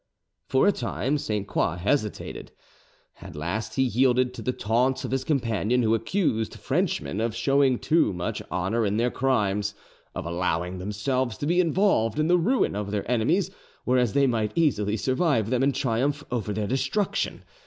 For a time Sainte Croix hesitated: at last he yielded to the taunts of his companion, who accused Frenchmen of showing too much honour in their crimes, of allowing themselves to be involved in the ruin of their enemies, whereas they might easily survive them and triumph over their destruction.